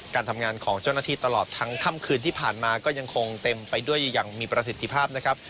การทำงานของเจ้าหน้าที่ตลอดทั้งค่ำคืนที่ผ่านมาก็ยังคงเต็มไปด้วยอย่างมีประสิทธิภาพนะครับ